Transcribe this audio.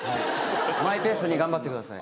マイペースに頑張ってください。